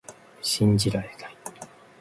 信じられない